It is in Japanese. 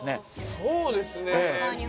そうですね